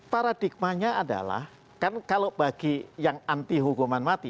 paradigmanya adalah kan kalau bagi yang anti hukuman mati